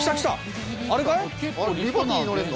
あれかい？